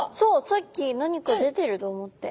さっき何か出てると思って。